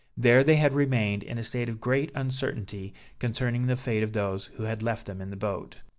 There they had remained in a state of great uncertainty concerning the fate of those who had left them in the boat.